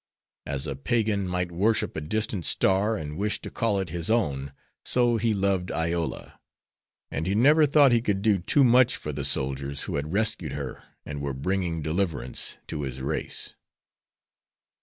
As a Pagan might worship a distant star and wish to call it his own, so he loved Iola. And he never thought he could do too much for the soldiers who had rescued her and were bringing deliverance to his race.